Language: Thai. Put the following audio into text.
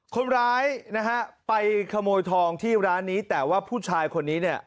คนร้ายนะฮะไปขโมยทองที่ร้านนี้แต่ว่าผู้ชายคนนี้เนี่ย